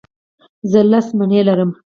زه لس مڼې لرم.